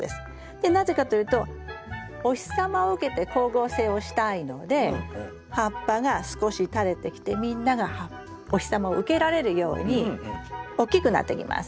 でなぜかというとお日様を受けて光合成をしたいので葉っぱが少し垂れてきてみんながお日様を受けられるように大きくなってきます。